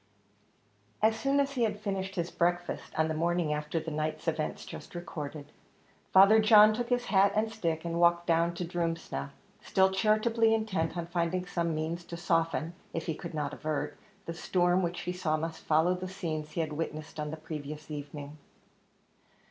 As soon as he had finished his breakfast on the morning after the night's events just recorded, Father John took his hat and stick, and walked down to Drumsna, still charitably intent on finding some means to soften, if he could not avert, the storm which he saw must follow the scenes he had witnessed on the previous evening.